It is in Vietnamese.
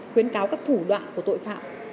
khuyến cáo các thủ đoạn của tội phạm